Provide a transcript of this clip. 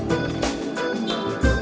terima kasih juga